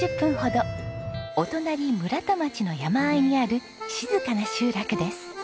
お隣村田町の山あいにある静かな集落です。